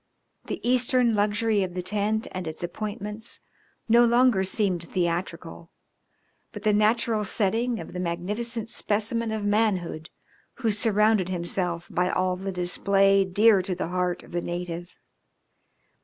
The Eastern luxury of the tent and its appointments no longer seemed theatrical, but the natural setting of the magnificent specimen of manhood who surrounded himself by all the display dear to the heart of the native.